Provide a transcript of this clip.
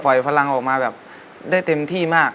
ไปพลังออกมาได้เต็มที่มาก